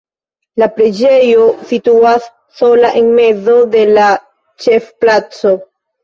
La preĝejo situas sola en mezo de la ĉefplaco.